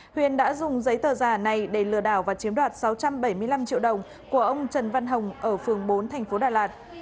huyền đã dùng giấy tờ giả này để lừa đảo và chiếm đoạt sáu trăm bảy mươi năm triệu đồng của ông trần văn hồng ở phường bốn thành phố đà lạt